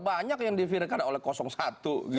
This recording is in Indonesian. banyak yang diviralkan oleh satu gitu loh